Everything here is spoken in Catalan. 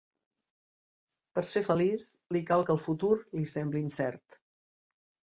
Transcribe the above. Per ser feliç li cal que el futur li sembli incert.